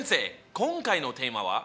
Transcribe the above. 今回のテーマは？